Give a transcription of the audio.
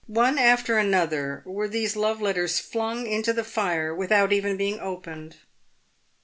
One after another were these love letters flung into the fire without even being opened.